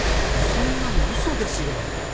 そんなのウソですよ！